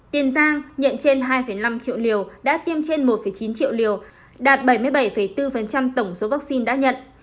tiền giang nhận trên hai năm triệu liều đã tiêm trên một chín triệu liều đạt bảy mươi bảy bốn tổng số vaccine đã nhận